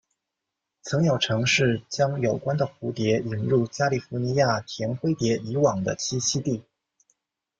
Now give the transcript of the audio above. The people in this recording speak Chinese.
曾有尝试将有关的蝴蝶引入加利福尼亚甜灰蝶以往的栖息地。